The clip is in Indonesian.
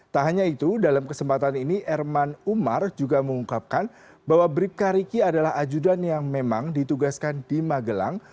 tak hanya itu dalam kesempatan ini erman umar juga mengungkapkan bahwa bribka riki adalah ajudan yang memang ditugaskan di magelang